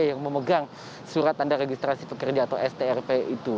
yang memegang surat tanda registrasi pekerja atau strp itu